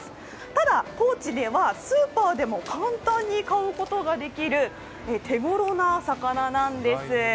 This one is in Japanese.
ただ高知ではスーパーでも簡単に買うことができる手ごろな魚なんです。